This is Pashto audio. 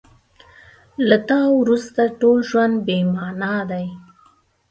له تا وروسته ټول ژوند بې مانا دی.